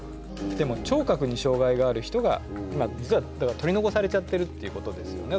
でも聴覚に障害がある人が今実は取り残されちゃってるっていうことですよね